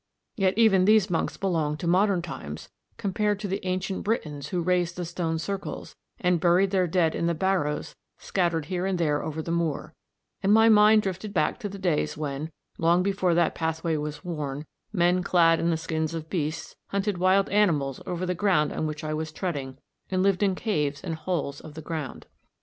Yet even these monks belonged to modern times compared to the ancient Britons who raised the stone circles, and buried their dead in the barrows scattered here and there over the moor; and my mind drifted back to the days when, long before that pathway was worn, men clad in the skins of beasts hunted wild animals over the ground on which I was treading, and lived in caves and holes of the ground.